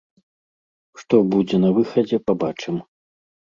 Што будзе на выхадзе, пабачым.